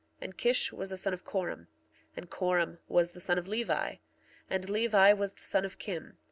1:19 And Kish was the son of Corom. 1:20 And Corom was the son of Levi. 1:21 And Levi was the son of Kim.